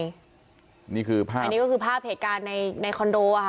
อันนี้คือภาพอันนี้ก็คือภาพเหตุการณ์ในคอนโดอ่ะค่ะ